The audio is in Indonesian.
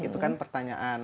itu kan pertanyaan